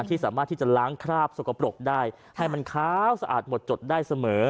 ที่สามารถที่จะล้างคราบสกปรกได้ให้มันขาวสะอาดหมดจดได้เสมอ